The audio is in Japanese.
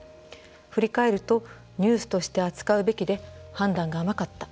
振り返るとニュースとして扱うべきで判断が甘かった。